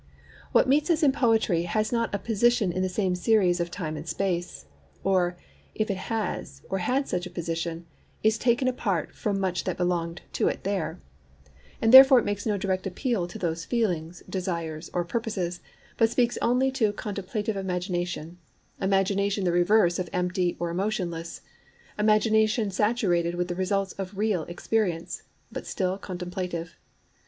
What meets us in poetry has not a position in the same series of time and space, or, if it has or had such a position, is taken apart from much that belonged to it there; and therefore it makes no direct appeal to those feelings, desires, and purposes, but speaks only to contemplative imagination—imagination the reverse of empty or emotionless, imagination saturated with the results of 'real' experience, but still contemplative.